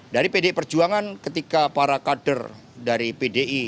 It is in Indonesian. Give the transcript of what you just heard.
dari pdi perjuangan ketika para kader dari pdi